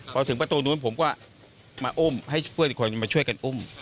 พอถึงประตูนู้นผมก็มาอุ้มให้เพื่อนอีกคนมาช่วยกันอุ้ม